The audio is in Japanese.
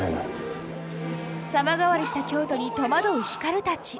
様変わりした京都に戸惑う光たち。